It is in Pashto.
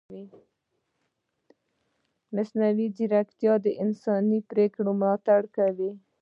مصنوعي ځیرکتیا د انساني پرېکړو ملاتړ کوي.